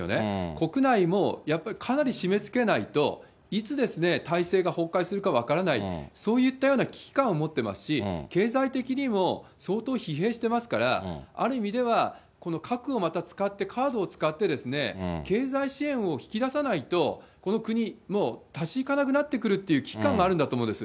国内も、やっぱりかなり締め付けないと、いつ体制が崩壊するか分からない、そういったような危機感を持ってますし、経済的にも相当疲弊してますから、ある意味では、この核をまた使って、カードを使ってですね、経済支援を引き出さないと、この国もう、立ちいかなくなってくるという危機感があるんだと思うんです。